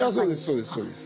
そうですそうです。